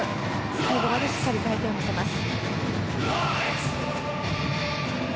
最後までしっかり回転してみせます。